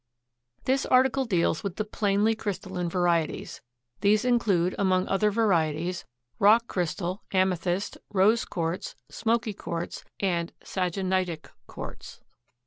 This article deals with the plainly crystalline varieties. These include, among other varieties, rock crystal, amethyst, rose quartz, smoky quartz, and sagenitic quartz.